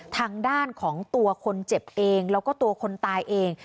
ทางด้านของตัวคนเจ็บเองแล้วก็ตัวคนตายเอง